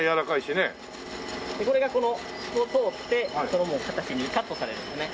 でこれがこのここを通ってその形にカットされるんですね。